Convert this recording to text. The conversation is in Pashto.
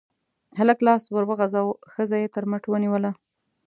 هلک لاس ور وغزاوه، ښځه يې تر مټ ونيوله.